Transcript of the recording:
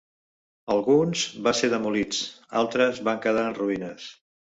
Alguns va ser demolits, altres van quedar en ruïnes.